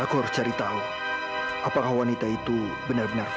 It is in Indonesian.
aku harus cari tahu apakah wanita itu benar benar